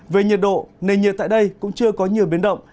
về nhiệt độ nền nhiệt tại đây cũng chưa có nhiều biến động